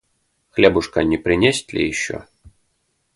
Хлебушка не принесть ли еще?